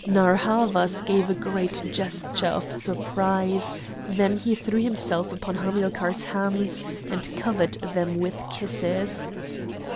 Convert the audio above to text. Narr' Havas gave a great gesture of surprise; then he threw himself upon Hamilcar's hands and covered them with kisses.